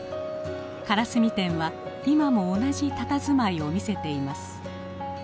からすみ店は今も同じたたずまいを見せています。